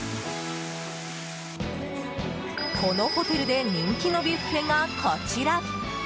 このホテルで人気のビュッフェがこちら。